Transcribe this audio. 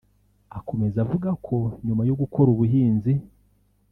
Akomeza avuga ko nyuma yo gukora ubuhinzi